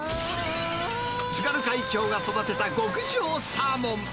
津軽海峡が育てた極上サーモン。